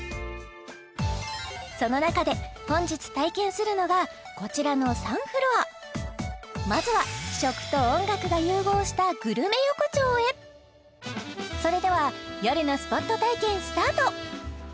その中で本日体験するのがこちらの３フロアまずは食と音楽が融合したグルメ横丁へそれではよるのスポット体験スタート！